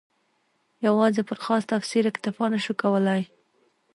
یوازې پر خاص تفسیر اکتفا نه شو کولای.